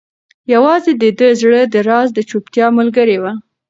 یوازې د ده د زړه درزا د چوپتیا ملګرې وه.